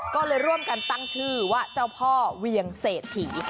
ก็เลยร่วมกันตั้งชื่อว่าเจ้าพ่อเวียงเศรษฐี